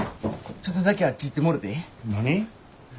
ちょっとだけあっち行ってもろてええ？